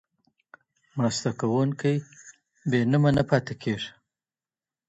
مرسته کوونکي بې نومه نه پاتې کېږي.